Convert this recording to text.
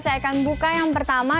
saya akan buka yang pertama